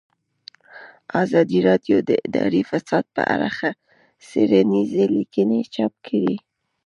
ازادي راډیو د اداري فساد په اړه څېړنیزې لیکنې چاپ کړي.